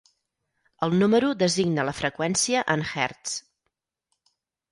El número designa la freqüència en hertz.